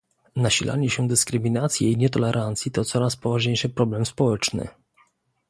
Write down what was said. Nasilanie się dyskryminacji i nietolerancji to coraz poważniejszy problem społeczny